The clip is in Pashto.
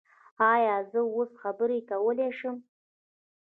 ایا زه اوس خبرې کولی شم؟